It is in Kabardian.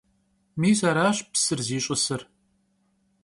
Mis araş psır ziş'ısır!